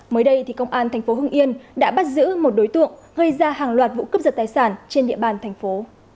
mới đây thì công an thành phố hưng yên đã bắt giữ một đối tượng gây ra hàng loạt vụ cướp giật tài sản trên địa bàn thành phố